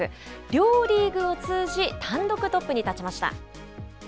両リーグを通じ、単独トップに立ちました。